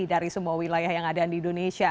dari semua wilayah yang ada di indonesia